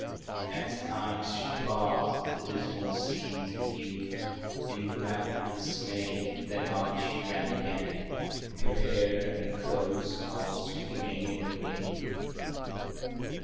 At times she paused, the dismal scene to view, In blank dismay; then on she ran again, Her hair and clothes all streaming in the wind.